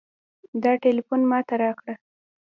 ده ټېلفون ما ته راکړ.